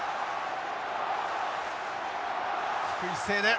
低い姿勢で。